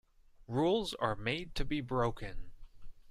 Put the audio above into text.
Rules are made to be broken.